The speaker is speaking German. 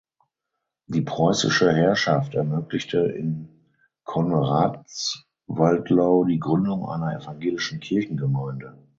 Die preußische Herrschaft ermöglichte in Konradswaldau die Gründung einer evangelischen Kirchengemeinde.